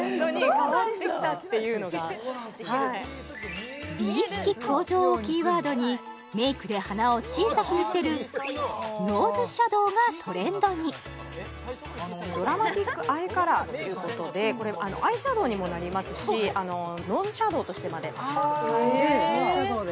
変わってきたっていうのが鼻意識向上をキーワードにメイクで鼻を小さく見せるノーズシャドウがトレンドにドラマティックアイカラーということでこれアイシャドウにもなりますしノーズシャドウとしてまで使えるノーズシャドウで？